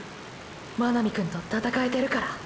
真波くんと闘えてるから？